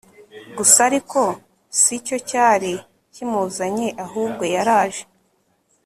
gusa ariko sicyo cyari kimuzanye ahubwo yaraje